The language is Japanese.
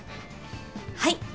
はい。